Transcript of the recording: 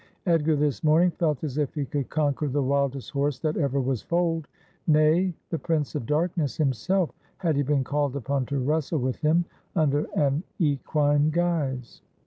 Edgar this morning felt as if he could conquer the wildest horse that ever was foaled — nay, the Prince of Darkness himself, had he been called upon to wrestle with him under an equine guise.